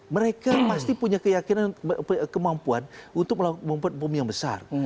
mereka pasti punya keyakinan kemampuan untuk membuat bom yang besar